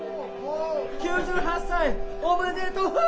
９８歳おめでとフォ！